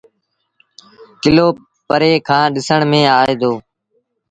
ڪلو پري کآݩ ڏسڻ ميݩ آئي دو۔